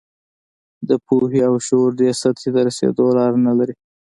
د پوهې او شعور دې سطحې ته رسېدو لاره نه لري.